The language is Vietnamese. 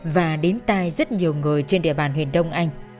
và đến tay rất nhiều người trên địa bàn huyện đông anh